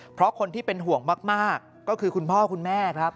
เพราะคนที่เป็นห่วงมากก็คือคุณพ่อคุณแม่ครับ